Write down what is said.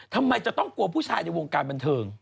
ทำไมจะต้องกลัวผู้ชายในวงการบันเทิง